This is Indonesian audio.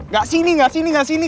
gak sini gak sini gak sini